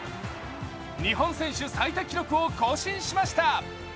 日本選手最多記録を更新しました。